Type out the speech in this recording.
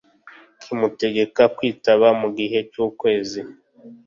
kimutegeka kwitaba mu gihe cy ukwezi